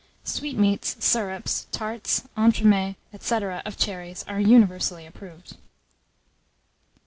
Sweetmeats, syrups, tarts, entremets, &c., of cherries, are universally approved.